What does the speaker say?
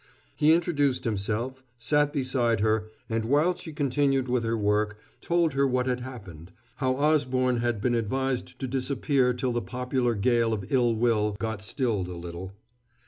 He introduced himself, sat beside her, and, while she continued with her work, told her what had happened how Osborne had been advised to disappear till the popular gale of ill will got stilled a little.